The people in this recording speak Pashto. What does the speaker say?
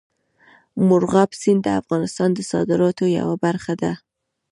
مورغاب سیند د افغانستان د صادراتو یوه برخه ده.